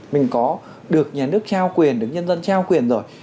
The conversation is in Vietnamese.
mình có được nhà nước trao quyền được nhân dân trao quyền rồi